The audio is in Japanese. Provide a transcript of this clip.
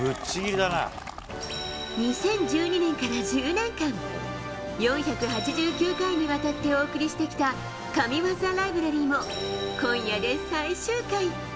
２０１２年から１０年間、４８９回にわたってお送りしてきた神技ライブラリーも、今夜で最終回。